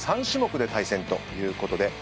３種目で対戦ということで。